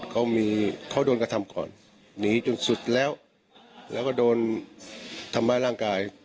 เขามีเขาโดนกระทำก่อนหนีจนสุดแล้วแล้วก็โดนทำร้ายร่างกาย